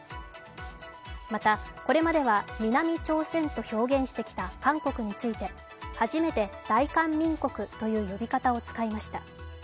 また、これまでは南朝鮮と表現してきた韓国について初めて、大韓民国という呼び方を使いました。